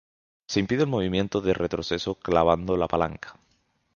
Se impide el movimiento de retroceso clavando la palanca.